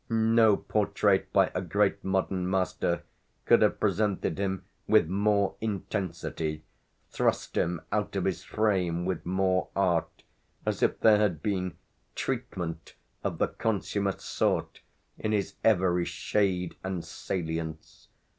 No portrait by a great modern master could have presented him with more intensity, thrust him out of his frame with more art, as if there had been "treatment," of the consummate sort, in his every shade and salience.